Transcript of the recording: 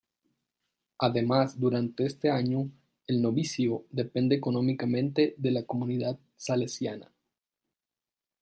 Además durante este año el "Novicio" depende económicamente de la Comunidad Salesiana.